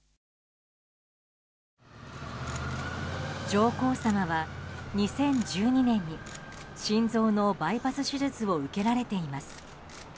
上皇さまは２０１２年に心臓のバイパス手術を受けられています。